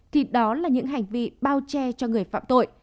thì đó là những hành vi bao che giấu tội